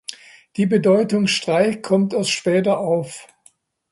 Die Bedeutung Streik kommt erst später auf.